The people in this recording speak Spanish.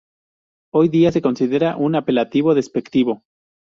Hoy día se considera un apelativo despectivo.